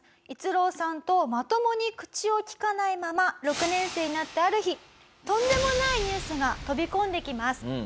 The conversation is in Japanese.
逸郎さんとまともに口を利かないまま６年生になったある日とんでもないニュースが飛び込んできます。